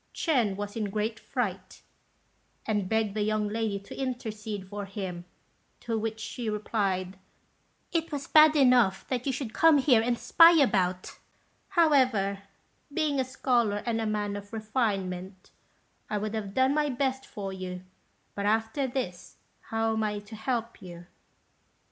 Ch'ên was in a great fright, and begged the young lady to intercede for him; to which she replied, "It was bad enough that you should come here and spy about; however, being a scholar, and a man of refinement, I would have done my best for you; but after this, how am I to help you?"